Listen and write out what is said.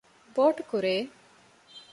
ބޯޓު ކުރޫ